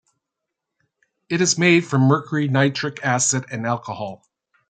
It is made from mercury, nitric acid and alcohol.